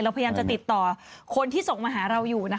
พยายามจะติดต่อคนที่ส่งมาหาเราอยู่